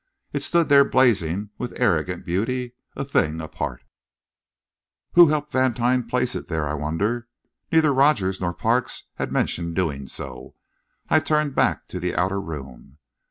It stood there blazing with arrogant beauty, a thing apart. Who had helped Vantine place it there, I wondered? Neither Rogers nor Parks had mentioned doing so. I turned back to the outer room.